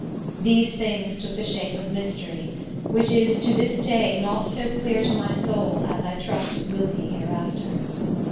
These things took the shape of mystery, which is to this day not so clear to my soul as I trust it will be hereafter.